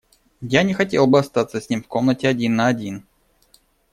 Я не хотел бы остаться с ним в комнате один на один.